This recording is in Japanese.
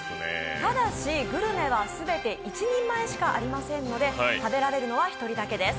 ただし、グルメはすべて一人前しかありませんので、食べられるのは１人だけです。